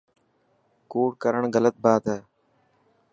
ڪوڙ ڪرڻ غلط بات هي.